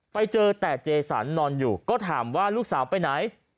ไปเจอแต่เจสันนอนอยู่ก็ถามว่าลูกสาวไปไหน